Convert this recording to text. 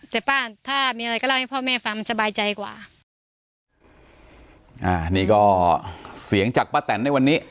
แต่ป้าถ้ามีอะไรก็เล่าให้พ่อแม่ฟังสบายใจกว่าอ่านี่ก็เสียงจากป้าแตนในวันนี้